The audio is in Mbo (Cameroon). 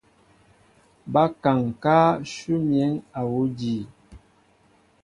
Ba kaŋ ká nshu miǝn awuŭ àjii.